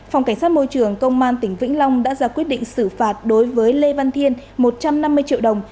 phòng cảnh sát môi trường công an tỉnh vĩnh long đã ra quyết định xử phạt đối với lê văn thiên một trăm năm mươi triệu đồng